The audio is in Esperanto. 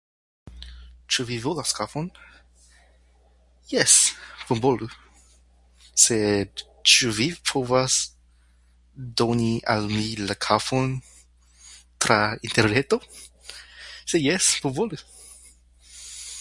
Ĉu vi volas kafon? Jes, bonvolu. Sed ĉu vi povas doni al mi la kafon tra interreto? Se jes, bonvolu!